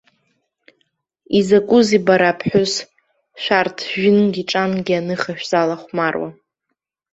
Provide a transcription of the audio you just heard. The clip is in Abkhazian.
Изакәызи, бара аԥҳәыс, шәарҭ жәынгьы-ҿангьы аныха шәзалахәмаруа?!